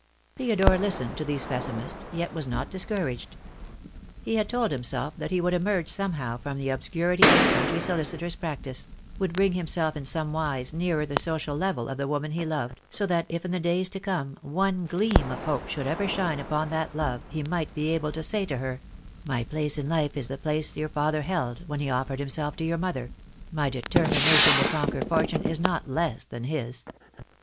Theodore listened to these pessimists, yet was not dis couraged. He had told himself that he would emerge somehow from the obscurity of a country solicitor's prac tice— would bring himself in some wise nearer the social level of the woman he loved, so that if in the days to come one gleam of hope should ever shine upon that love he might be able to say to her, "My place in life is the place your father held when he offered himself to your mother; my determination to conquer fortune is not less than his."